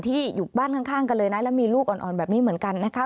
อยู่บ้านข้างกันเลยนะแล้วมีลูกอ่อนแบบนี้เหมือนกันนะคะ